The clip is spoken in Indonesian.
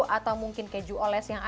atau mungkin keju oles yang ada